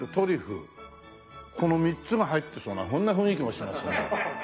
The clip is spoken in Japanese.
この３つが入ってそうなそんな雰囲気もしますね。